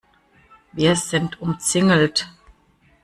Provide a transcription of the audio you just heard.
Wir sind umzingelt.